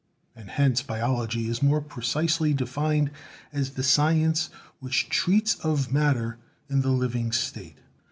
And hence biology is more precisely defined as the science which treats of matter in the living state."